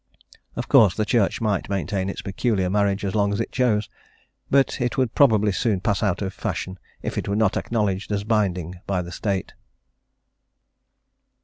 Of course the Church might maintain its peculiar marriage as long as it chose, but it would probably soon pass out of fashion if it were not acknowledged as binding by the State.